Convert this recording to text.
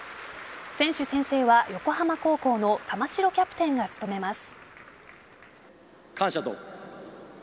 選手宣誓は横浜高校の玉城キャプテンが務めます。